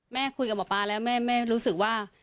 คุยกับหมอปลาแล้วแม่รู้สึกว่า